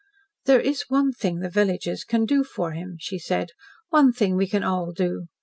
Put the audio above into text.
"There is one thing the villagers can do for him," she said. "One thing we can all do.